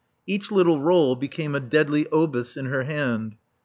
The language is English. Each little roll became a deadly obus in her hand.